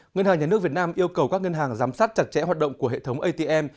ngân hàng nhà nước việt nam yêu cầu các ngân hàng giám sát chặt chẽ hoạt động của hệ thống atm